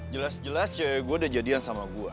jelas jelas gue udah jadian sama gue